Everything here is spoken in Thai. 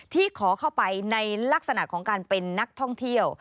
ขอเข้าไปในลักษณะของการเป็นนักท่องเที่ยว